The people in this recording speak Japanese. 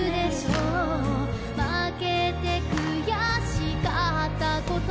「負けて悔しかったこと」